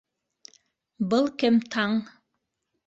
Был кем таң...